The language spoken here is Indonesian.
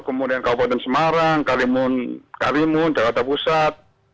kemudian kabupaten semarang kalimun jakarta pusat